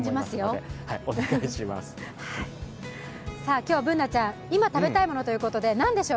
今日、Ｂｏｏｎａちゃん、今食べたいものということで何でしょう？